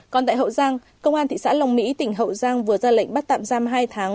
còn tại hậu giang công an thị xã long mỹ tỉnh hậu giang vừa ra lệnh bắt tạm giam hai tháng